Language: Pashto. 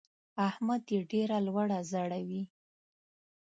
احمد يې ډېره لوړه ځړوي.